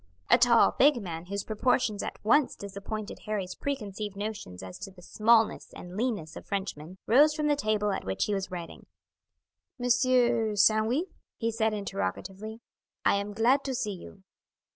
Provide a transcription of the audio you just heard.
A tall, big man, whose proportions at once disappointed Harry's preconceived notions as to the smallness and leanness of Frenchmen, rose from the table at which he was writing. "Monsieur Sandwith?" he said interrogatively. "I am glad to see you."